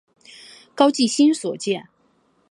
高季兴所建。